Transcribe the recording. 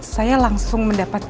saya langsung mendapat